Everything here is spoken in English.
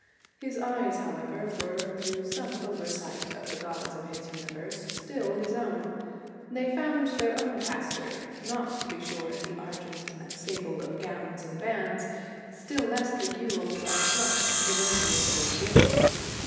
His eyes, however, were, through some oversight of the gods of his universe, still his own. They found their own pasture: not, to be sure, the argent and sable of gown and bands, still less the gules of flushed denunciatory gills.